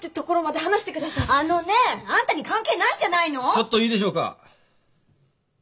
ちょっといいでしょうか。